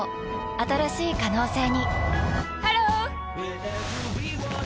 新しい可能性にハロー！